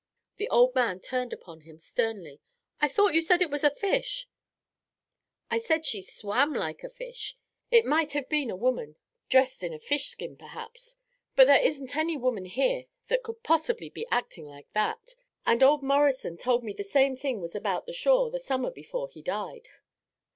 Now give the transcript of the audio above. The old man turned upon him sternly. "I thought you said it was a fish." "I said she swam like a fish. She might have been a woman dressed in a fish skin, perhaps; but there isn't any woman here that could possibly be acting like that and old Morrison told me the same thing was about the shore the summer before he died."